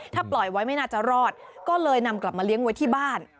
ถ้าปล่อยไว้ไม่น่าจะรอดก็เลยนำกลับมาเลี้ยงไว้ที่บ้าน